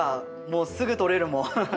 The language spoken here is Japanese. もうすぐ取れるもん。